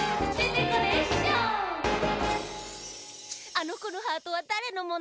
あのこのハートはだれのもの？